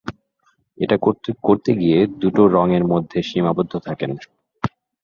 এটা করতে গিয়ে দুটো রংয়ের মধ্যে সীমাবদ্ধ থাকেন।